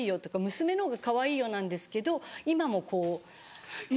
娘の方がかわいいよ」なんですけど今もこう。